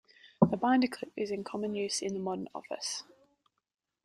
The binder clip is in common use in the modern office.